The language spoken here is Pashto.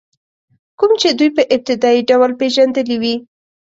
کوم چې دوی په ابتدایي ډول پېژندلي وي.